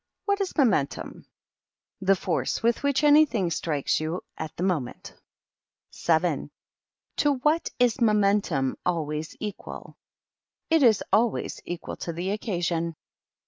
What is 7nom£ntum? The force with which anything strikes you at the moment. 7. To what is momentum always equal? It is always equal to the occasion.